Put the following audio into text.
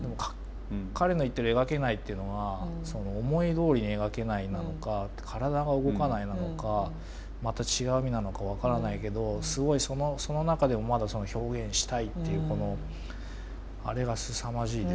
彼の言ってる「描けない」っていうのは思いどおりに描けないなのか体が動かないなのかまた違う意味なのか分からないけどすごいその中でもまだ表現したいっていうあれがすさまじいですよね